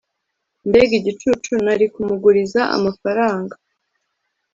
mbega igicucu nari kumuguriza amafaranga